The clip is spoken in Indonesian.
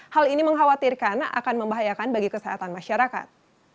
hal ini mengkhawatirkan akan membahayakan bagi kesehatan masyarakat